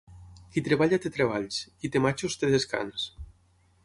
Qui treballa té treballs; qui té matxos té descans.